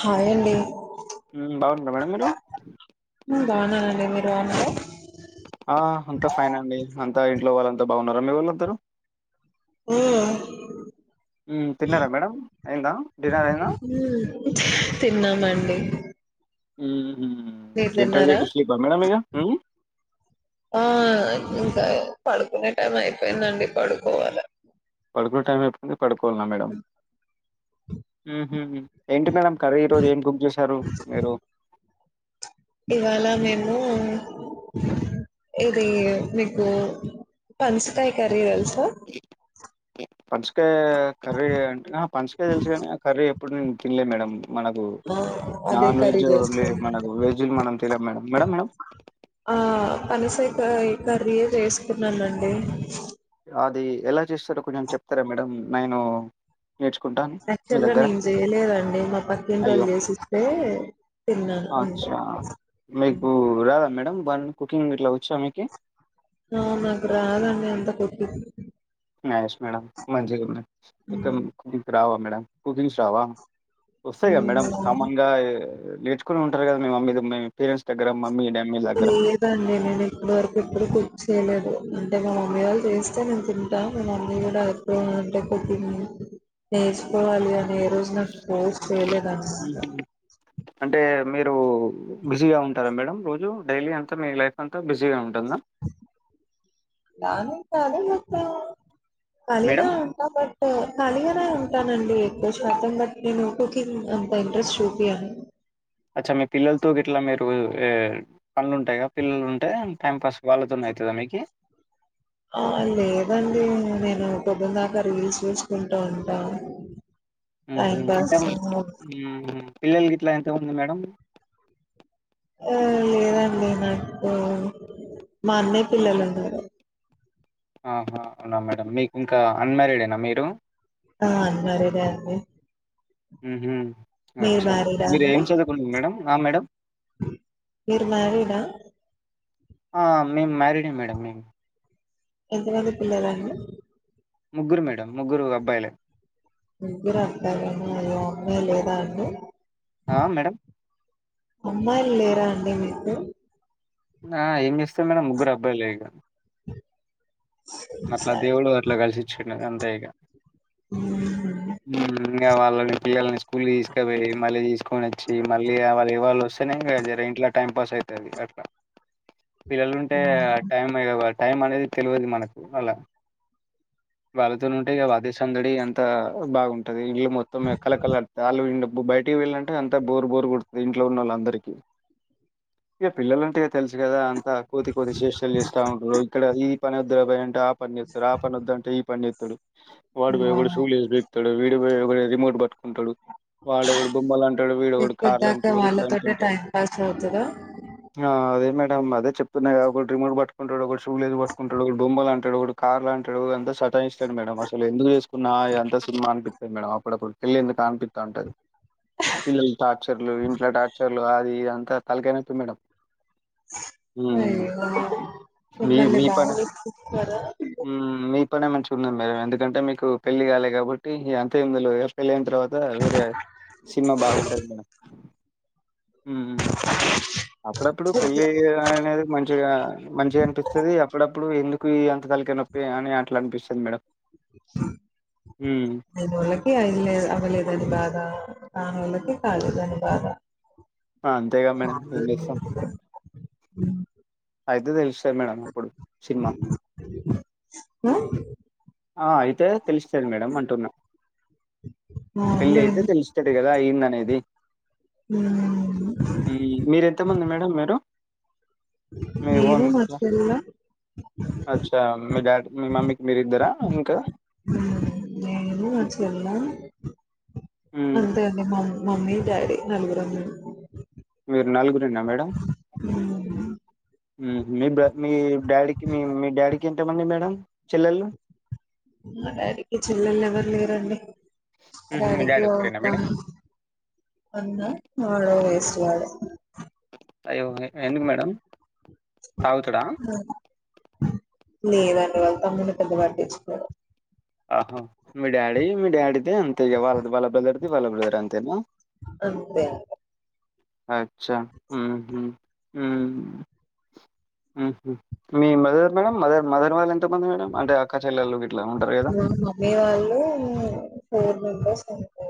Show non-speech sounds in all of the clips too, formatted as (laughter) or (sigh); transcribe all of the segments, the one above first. Hi అండి బాగుండర madam మీరు బాగున్నానండి మీరు బాగున్నార ఆ అంతా ఫైన్ అండి అంతా ఇంట్లో వాళ్ళ బాగున్నారా మీవాళ్లు అందరూ ఉమ్ మ్మ్ తిన్నారా మేడం అయిందా డిన్నర్ అయిందా తిన్నామండి ఉ మీరు రట తిన్నారా లేట స్లీప మేడం ఇంగ ఆ ఇంకా పడుకునే టైం అయిపోయిందండి పడుకోవాలి పడుకున్న టైం అయిపోయింది పడుకోవాలన్నా మేడం ఉ ఏంటి మేడం కర్రీ ఈ రోజు ఏం కుక్ చేశారు మీరు ఇవాళ మేము ఇది మీకు పన్సకాయ కర్రీ తెలుసు అ పన్స అ కర్రీ అంటే పన్సకాయ తెలుసు కాని కర్రీ ఇప్పుడు నేను తినలే మేడం మనకు ఆ, అదే నాన్ కర్రీ వెజ్ ఓన్లీ మనకు చేస్తున్నానండి వెజ్లు మనం తినం మేడం మేడం మే ఆ పనిసేకాయ్ కర్రీ జేసుకున్నానండి అది ఎలా చేస్తారో కొంచెం చెప్తారా మేడం నేను నేర్చుకుంటాను మీ యాక్చువల్గా దగ్గర నేను జెయ్యలేదండి మా అయ్యో పక్కింటోళ్ళు జేసిస్తే తిన్నాను అచ్చా అ బం కుకింగ్ ఇట్లా వచ్చా మీకి ఆ నాకు రాదు అన్న ఎంత కొతు నైస్ మేడం మంచి ఇక హ్మ్. మీకు మేడం కుకింగ్స్ రావా వస్తయిగా మేడమ్ హుహు. కామన్గా నేర్చుకునే వుంటారు కద మీ మమ్మీ మీ పేరంట్స్ దగర లేదండి నేను ఇప్పటి వరకు ఎప్పుడు కుక్చ్చేయలేదు అంటే మా మమ్మీ వాళ్ళు చేస్తే నేను తింటా మా మమ్మీ గూడా ఎప్పుడు అంటే కుకింగ్ నేర్చుకోవాలి అని ఏ రోజు నా ఫోర్స్ చెయ్యలేదండి హుహు. అంటే మీరు బిజీగా ఉంటారా మేడం రోజు డైలీ అంతా మీ లైఫ్ అంతా బిజీగా దా దాని కాదు వ కాలిగా మేడం ఉంటా బట్ పర్లే నే ఉంటానండి ఎక్కువ శాతం బట్టి నేను కుకింగ్ అంత ఇంట్రెస్ట్ చూపియ్యను అచ మీ పిల్లల్తో గిట్ల మీరు పనులు ఉంటాయి గ పిల్లలుంటె టైం పాస్ వాళ్ళతోన్నయితద మీకి ఆ లేదండి నేను పొద్దందాక రీల్స్ జూసుకుంటూ ఉంటా ఊహు టైం ఎంత మంది పాస్ పిల్లలు గిట్ల మంది మేడం ఆ లేదండి నాకు మా అన్నయ పిల్లలు ఉన్నారు ఆహా అవునా మేడం మీకు ఇంకా అన్మారీడేనా మీరు ఆ అన్మ్యారీడే అండి మ్మ్ హ్మ్ మీరు అచ్చా మ్యారీడా మీరు అండి ఏం చదువుకుండ్రు మేడం ఆ మేడం. మీరు మ్యారీడా ఆ మేము మ్యారడే మేడం మేం ఎంతమంది పిల్లలండి ముగ్గురు మేడం ముగ్గురు అబ్బాయిలే ముగ్గురు అబ్బాయిలేనా అయ్యో అమ్మాయి లేదాండి ఆ! మేడం. అమ్మాయిల్ లే లేరా అండి మీకు ఆ ఏం చేస్తాం మేడం ముగ్గురు అబ్బాయిలే ఇగ అట్లా దేవుడు అట్లా కలిసిచ్చిండ అంతే ఇగ మ్మ్ మ్ ఇంకా వాళ్ళ వాళ్ల పిల్లల్ని కుల్లీ తీస్కపోయ్ మళ్లీ తీస్ కో నోచ్చి మళ్ళీ వాళ్ళు ఇవాళ వస్తేనే జర ఇంట్లో టైం పాస్ అవుతుంది అట్లా పిల్లలు ఉంటే ఆ టైమే (unintelligible) టైం అనేది తెలివదు మనకు అలా వాళ్ళతోన్ ఉంటే గాదా అదే సందడి అంత బాగుంటు ఇల్లు మొత్తం కలకలడ్ ఆలు ఇం బయటికి వెళ్ళంటే అంతా బోరు బోరు కోడుతుంది ఇంట్లో ఉన్న వాలందరికి ఇక పిల్లలు ఉంటే తెలుసు కదా తా కోతి కోతి శేష్టాలు చేస్తా ఉంటారు ఇక్కడ ఈ పని (unintelligible) టే ఆ పని చెప్తరు ఆ పని వద్దంటే ఈ పని జేయ్ వాడు వోయ్ అవునా ఒకడు షూ లేస్ పీకుతడు వీడు వోయ్ వొరే రిమోట్ బట్ కుంటడు వాడు ఒకడు బొమ్మలు అంటడు, వీడు ఒకడు కార్లు ఇప్పటిదాకా అంటడు ఇట్ల అంత వాళ్ళతోటే ఉంటది, టైం పాస్ అవుతదా ఆ అదే మే డం అదే చెప్ ప్తున్నాగా ఒకడు రిమోట్ బట్ కుంటడు ఒకడు షూ లేస్ పట్టుకుంటడు ఒకడు బొమ్మలు అం టడు ఒకడు కార్లు అంటడు అంత సతాయిస్తాడు మేడం అసలు ఎందుకు చేస్ కున్నా ఎంత సినిమా అనిపి త్తది మేడం అప్పుడప్పుడు పెళ్ళి ఎందుకా అనిపిత్తాఉంటది పిల్లల్ టార్చర్లు ఇంట్లో టార్చర్లు అది ఇది అం త తలకాయ్ నొప్పి మేడమ్ అయ్యో మిమ్మల్ని బాధ పనే పెట్టి ఉమ్ మీ మీ పనే మంచిగున్నది మేడం ఎందుకంటే మీకు పెళ్లి కాలే కాబట్టి అంత ఏం తెల్వదు పెళ్ళైన్ తర్వాత్ అ వేరే సినిమా బాగుంటది మేడం హ్మ్మ్ అప్పుడప్పుడు పెళ్ళి అనేది మంచిగా మంచిగా అనిపిస్తది అప్పుడప్పుడు ఎందుకు ఈ అంత తలకాయ నొప్పి (unintelligible) హ్మ్. వాళ్ళకి (unintelligible) ఆ ఆ హలో కాదు దన్వధ ఆ అంతేగా మేడం ఏంచేస్తాం హ్మ్మ్ ఐదు తె మేడం అప్పుడు సినిమా ఆ ఆ అయితే తెలుస్తది మామ్ అవునులేండి. హ్మ్. హ్మ్మ్ మీరెంతమంది మేడం మీరు మీ ఓన్ నేను మా చెల్ల అచ్చా మీ డాడి మీ మమ్మీకి మీరిద్దరా ఇంకా? హ్మ్మ్ నేను మా చెల్లా అ (unintelligible) హ్మ్. అంతే అండి మా మమ్మీ డాడీ నలుగురం మేము మీరు నలుగురు నేనా మేడం హ్మ్. హ్మ్మ్ మీ బా డాడీ కి మీ మమ్మీకి ఎంతమంది మేడం చెల్లెలు మా డాడీకి చెల్లెలు ఎవరు లేరండి హుహు. మీ డాడీకి డాడీ ఓ ఒక్కరేనా అక్క మేడం? అన్న వాడో వేస్ డు గాడు అయ్యో ఎందుకు మేడం తాగుతడా హ్మ్మ్ లేదండి వాళ్ళ తమ్ముని పెద్ద పట్టిచ్చుకోడు ఆహా మీ డాడి మీ డాడీదే అంతే ఇగ వాళది వాళ్ళ బ్రదర్ వాళ్ళ బ్రదర్ అంతేనా అంతే అ చ్చ ఊహు హుమ్ మీ మదర్ మేడం మదర్ మదర్ వాళ్ళ ఎంతమంది మేడం అంటే అక్కా చెల్లెళ్ళు గిట్లా ఉంటారు కదా మా మమ్మీ వాళ్ళు ఫోర్ మెంబర్స్ అంతే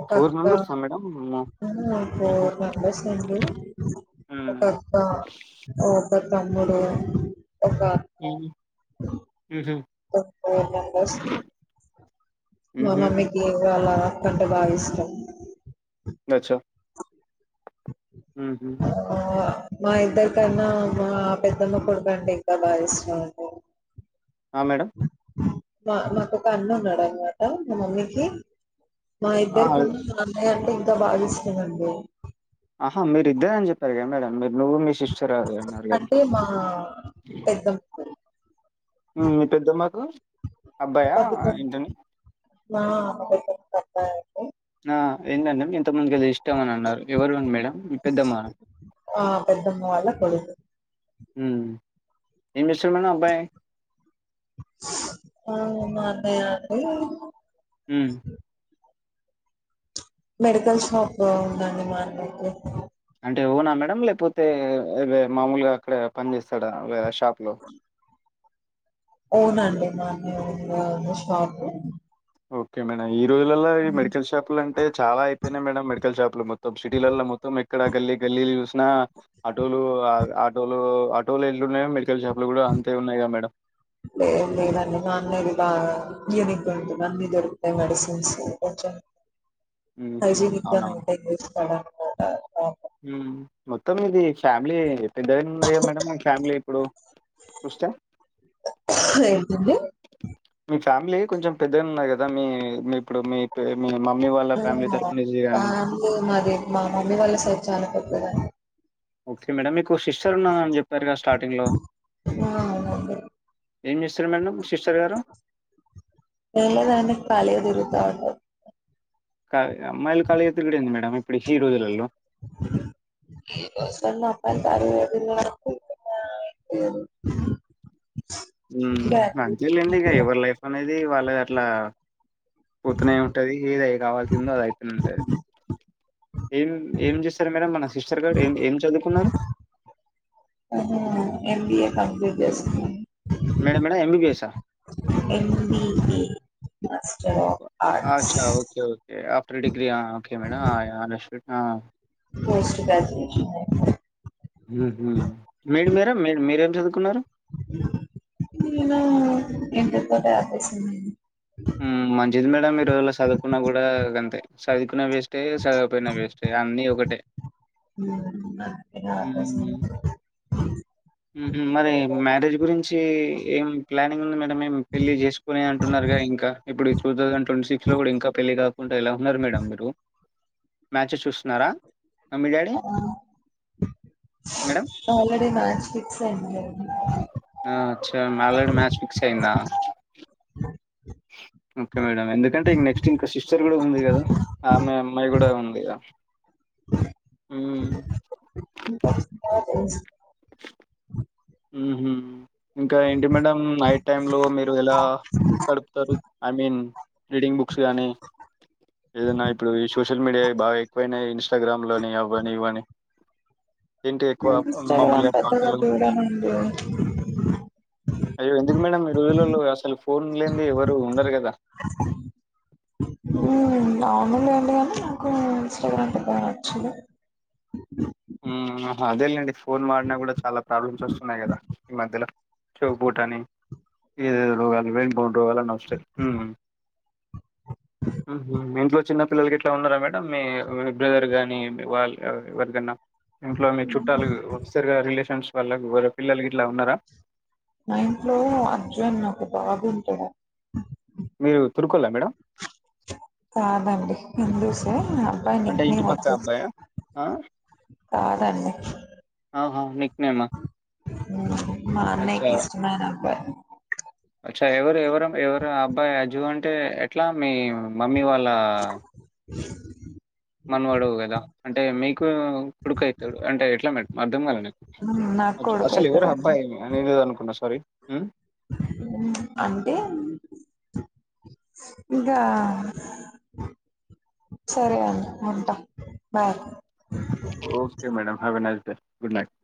ఒక ఫోర్ అక్కా మెంబర్సా మేడం అమ్మో ఊహు ఫోర్ మెంబర్స్ ఉంది ఒక ఊమ్ అక్కా తమ్ముడు ఒక ఊహు అన్న మా ఊహు మమ్మీకి వాళ్ళ అంటే బాగిష్టం అచ్చా ఊహు ఆ మా ఇద్దరికన్నా మా పెద్దమ్మ కొడుకండి ఇంకా భారిశ్రమ మేడం మా మాకొక అన్న ఉన్నాడు అనమాట మా మమ్మీకి మా ఆ ఇద్దరికన్న అన్నయ్యన్టే త బావిస్తుదండి ఆహా మీరు ఇద్దరు అని జె ప్పారు కద మేడం మీరు నువ్వు మీ శిష్యు అంటే మా పెద్ద మీ పెద్దమ్మకు అబ్బాయా ఏంటండి నా ఆ ఏందండి కొంతమందికి ఇష్టం అని అన్నారు ఎవరు మేడం పెద్ద మన ఆ పెద్దమ్మ వాళ్ళ కొడుకు ఉ ఏమ్ జేస్తాడు మేడం అబ్బాయ్ ఆ అదేంట హ్మ్. మెడికల్ షాప్ ఉందండి మా అన్నయ్ కి అంటే ఓనా మేడం లేపోతే మామూలుగా అక్కడ పని చేస్తాడా షాప్ లో ఓనండి మా అన్నయ్య షాప్ ఓకే మేడం ఈ రోజులలో ఈ మెడికల్ షాపులు అంటే చాలా అయిపోయినాయి మేడం మెడికల్ షాపులు మొత్తం సిటీలలో మొత్తం ఎక్కడ గల్లీ గల్లీలు చూసినా ఆటోలు ఆటోలు ఆటోలో వెల్లు (unintelligible) లే లేదన్న నన్నదిద ఏనిక్ ఉంంటు నంద ఇది ఇరుతతే మెడిసిన్స్ కొ హుహు. (inaudible) (inaudible) హమ్మ్ ఓకే తొమ్మిది ఫ్యామిలీ పెద్దదనా ఉన్న మేడం మా ఫ్యామిలీ ఇప్పుడు చూస్తే ఏంటండి మీ ఫ్యామిలీ కొంచెం పెద్ద ఉన్నాయి కదా మీ మీ ఇప్పుడు మీ మమ్మీ వాళ్ళ ఫ్యామిలీ తరపు నుంచి గాని అంది మాది మా మమ్మీ వాళ్ళ సై చనప ఓకే మేడం ఇ మా సిస్టర్ ఉన్నాని చెప్పారు కద స్టార్టింగ్లో ఆ అవునండి ఏం చేస్తారు మేడం సిస్టర్ గారు ఏం లేదండి ఖాళీగా తిరుగుతా ఉంటారు క అమ్మాయిలు క కాాల ఎత్తుగడ ఉంది మేడమ్ ఇప్పుడుచ్చీ రోజులల్లోలో ఈ కాలం లో అబ్బాయిలు కాలిగా తిరగడం (inaudible) మ్మ్ అంతేలిండి ఇక ఎవరి లైఫ్ అనేది ది వాళ్ళ ది అట్లా పోతూనే ఉంటది ఏది కావాల్సిందో అది అయితేనే ఉంటది ఏం ఏం చేస్తారు మేడం మన సిస్టర్ గారు? ఏం ఏం చదువుకున్నారు? (unintelligible) ఏం B A complete (unintelligible) yes madam madam ఎంబీబీఎసా? ఎం బి ఏ (unintelligible) చ్చ okay okay after degree okay madam ఆ ప పోస్ట్ గ్రాజుయేషన్ హ్మ్ హు మీరు మీర మీ మీరేం చదువుకున్నారు నేనా ఇంటర్ తోనే ఆపేసా మ్మ్ మంచిది మేడం ఈ రజుల చదువుపున్న కూడా గంతే సదికునే వేస్ టే సరిపోయిన వేస్ట్ అన్ని ఒకటే అందుకనే ఆపేసింది మరి మ్యారేజ్ గురించి ఏం ప్లానింగ్ ఉంది మేడంమ్ ఏము పెళ్ళి చేసుకుని అంటున్నారు కద ఇంకా ఇప్పుడు టూ థౌజండ్ ట్వంటీ సిక్స్ లో కూడా ఇంకా పెళ్ళి కాకుండా ఇలా ఉన్నారు మేడం మీరు. మ్మ్యాచ్స్ చూస్తున్నారా mummy daddy already match fix అయ్యింది ఆ! అచ్చా! ఆల్రెడీ మ్యాచ్ ఫిక్స్ అయిందా? ఓకే మేడం ఎందుకంటే నెక్స్ట్ ఇంక సిస్టర్ కూడా ఉంది కదా ఆమె అమ్మాయి కూడా ఉందిగా ఊమ్ ఊహూ ఇంకా ఏంటి మేడం నైట్ టైం లో మీరు ఎలా కడుపుతారు ఐ మీన్ రీడింగ్ బుక్స్ కానీ ఏదైనా ఇప్పుడు ఈ సోషల్ మీడియా బాగా ఎక్కువైనాయి ఇన్స్టాగ్రామ్ లని అవ్వని ఇవ్వని ఇన్స్టాగ్రామ్ మామూలుగా పెద్దగా పాటలు చూడను అయ్యో ఎందుకు మేడం ఈ రోజులల్లో అసలు ఫోన్ లేనిది ఎవరు ఉండరు కదా మామూలే అండి కాని నాకు ఇన్స్టగ్రామ్ పగద్దగా నచ్చదు ఉమ్ నా అదేలేండి ఫోన్ వాడినా కూడా చాలా ప్రాబ్లమ్స్ వస్తున్నాయి కదా ఈ మధ్యలో చెవి పోటు అని ఏ రో (unintelligible) పోవాల (unintelligible) ఊ ఊహూ ఇంట్లో చిన్న పిల్లలు గిట్లా ఉన్నారా మేడం మీ బ్రదర్ గాని వాళ్ళ ఎవరిదన్నా ఇంట్లో మీ చుట్టాలు ఉంచుతారుగా రిలేషన్స్ వాళ్ళకి బోలే పిల్లలు గిట్లా ఉన్నారా మా ఇంట్లో అర్జున్ ఒక బాబు ఉంటాడా మీరు తిరుక్కో ల మేడం కాదండి హిందువుసే అబ్బయిని అంటే నిక్ ఇటు నేమ్ పక్క వంచు అబ్బాయా? ఆ! కాదండి ఆహా! నిక్ నేమా? మ్మ మా అచ్చా! అన్నయ్యకి ఇష్టమైన అబ్బాయి అచ్చా! ఎవరు ఎవరు ఎవరు అబ్బాయి అజు అంటే ఎట్లా మీ మ మ్మీ వాళ్ళ మనువడు కదా అంటే మీకు ఒక కుడుకుఅమతాడు అంట ఎట్లా మేడం మగ్గం వలనే మ్మ్, నాకు కొడుకు అసలు ఎవరు అయితడండి అబ్బాయి అని ఏదోఅనుకున్నా సారీ హూ అంటే ఇంగా సరే అన్న ఉంటా bye okay madam have a nice good night